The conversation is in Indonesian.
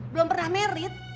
belum pernah married